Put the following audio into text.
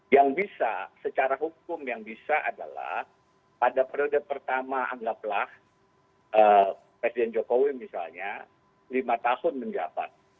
yang bisa secara hukum yang bisa adalah pada periode pertama anggaplah presiden jokowi misalnya lima tahun menjabat